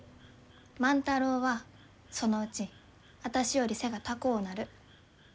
万太郎はそのうちあたしより背が高うなる。